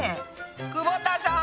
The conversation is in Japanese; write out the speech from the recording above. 久保田さん！